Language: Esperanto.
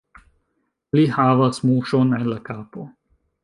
Li havas muŝon en la kapo.